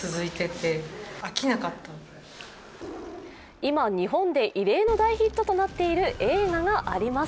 今、日本で異例の大ヒットとなっている映画があります。